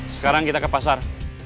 sekarang kita ke pasar